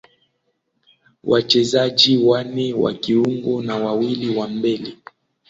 wachezaji wanne wa kiungo na wawili wa mbele